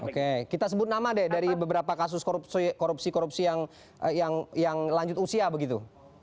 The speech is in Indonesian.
oke kita sebut nama deh dari beberapa kasus korupsi korupsi yang lanjut usia begitu